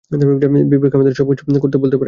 বিবেক, আমাদের সবকিছু বলতে পারবে?